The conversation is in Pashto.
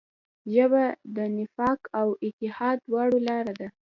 ژبه د نفاق او اتحاد دواړو لاره ده